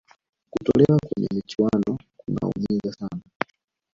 kutolewa kwenye michuano kunaumiza sana